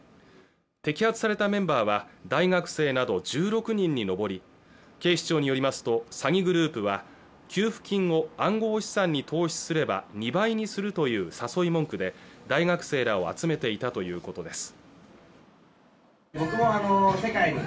摘発されたメンバーは大学生など１６人に上り警視庁によりますと詐欺グループは給付金を暗号資産に投資すれば２倍にするという誘い文句で大学生らを集めていたということです